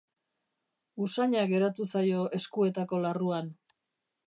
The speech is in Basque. Usaina geratu zaio eskuetako larruan.